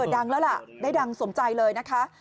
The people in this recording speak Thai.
ดังแล้วล่ะได้ดังสมใจเลยนะคะ